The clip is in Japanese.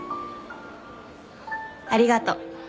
ありがとう。